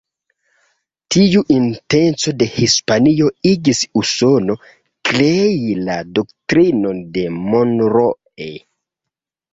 Tiu intenco de Hispanio igis Usono krei la Doktrinon de Monroe.